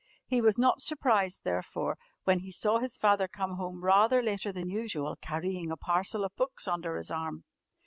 He was not surprised, therefore, when he saw his father come home rather later than usual carrying a parcel of books under his arm.